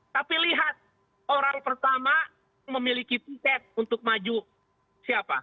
tapi lihat orang pertama memiliki tiket untuk maju siapa